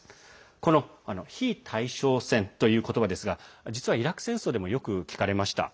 この非対称戦という言葉ですが実はイラク戦争でもよく聞かれました。